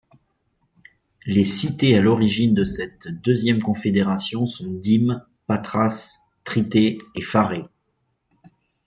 Les cités à l'origine de cette deuxième confédération sont Dyme, Patras, Tritée et Pharée.